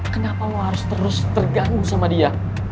kenapa lo harus terus terganggu sama dia